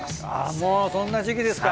もうそんな時期ですか！